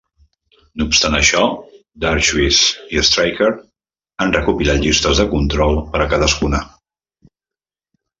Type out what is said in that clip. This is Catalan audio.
No obstant això, Dwarshuis i Strycker han recopilat llistes de control per a cadascuna.